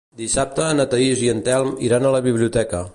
Diumenge na Thaís i en Telm iran a la biblioteca.